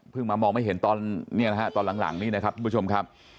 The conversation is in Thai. เพิ่งมามองไม่เห็นตอนหลังนี้นะครับคุณผู้ชมครับ